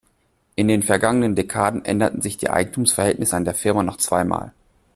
In den vergangenen Dekaden änderten sich die Eigentumsverhältnisse an der Firma noch zweimal.